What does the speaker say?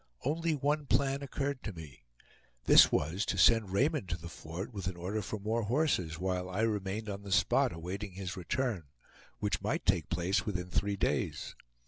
Only one plan occurred to me; this was to send Raymond to the fort with an order for more horses, while I remained on the spot, awaiting his return, which might take place within three days.